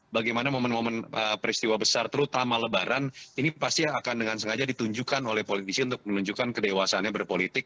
bagaimana momen momen peristiwa besar terutama lebaran ini pasti akan dengan sengaja ditunjukkan oleh politisi untuk menunjukkan kedewasaannya berpolitik